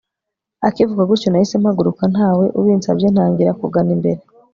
Akivuga gutyo nahise mpaguruka ntawe ubinsabye ntangira kugana imbere